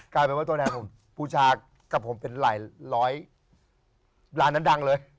กลายเป็นว่าตัวแทนผมบูชากับผมเป็นหลายร้อยร้านนั้นดังเลย